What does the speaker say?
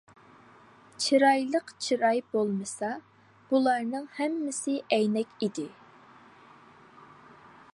چىرايلىق چىراي بولمىسا، بۇلارنىڭ ھەممىسى ئەينەك ئىدى.